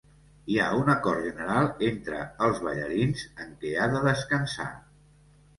Hi ha un acord general entre els ballarins en què ha de descansar.